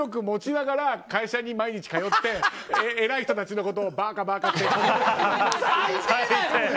持ちながら会社に毎日通ってえらい人たちのことをバーカバーカって。